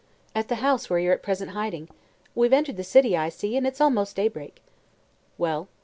"At the house where you're at present hiding. We've entered the city, I see, and it's almost daybreak." "Well?"